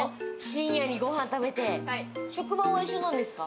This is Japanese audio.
職場は一緒なんですか？